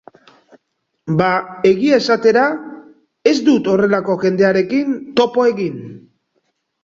Ba, egia esatera, ez dut horrelako jendearekin topo egin.